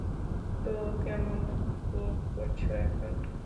তো, কেমন বোধ করছ এখন?